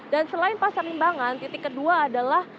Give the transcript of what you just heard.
dan selain pasar limbangan titik kedua adalah